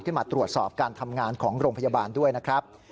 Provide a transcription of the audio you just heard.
มาตรวจสอบการทำงานของโรงพยาบาลด้วยนะครับ